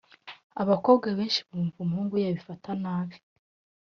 Abakobwa benshi bumva umuhungu yabifata nabi